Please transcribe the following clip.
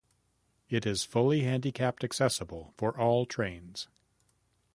It is fully handicapped accessible for all trains.